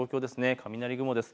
雷雲です。